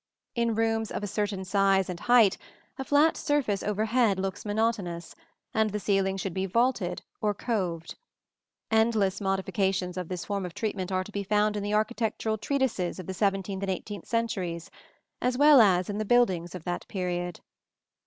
In rooms of a certain size and height, a flat surface overhead looks monotonous, and the ceiling should be vaulted or coved. Endless modifications of this form of treatment are to be found in the architectural treatises of the seventeenth and eighteenth centuries, as well as in the buildings of that period.